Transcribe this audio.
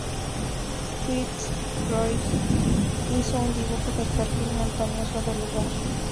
Fitz Roy hizo un dibujo del perfil montañoso del lugar.